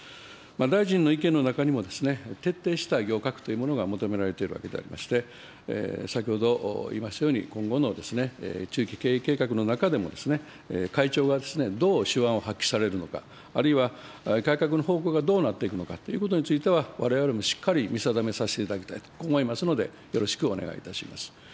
大臣の意見の中にも、徹底した行革というものが求められているわけでありまして、先ほど言いましたように、今後の中期経営計画の中でも、会長がどう手腕を発揮されるのか、あるいは改革の方向がどうなっていくのかということについては、われわれもしっかり見定めさせていただきたいとこう思いますので、よろしくお願いいたします。